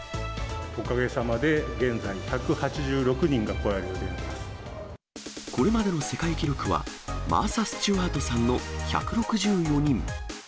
おかげさまで現在１８６人がこれまでの世界記録はマーサ・スチュワートさんの１６４人。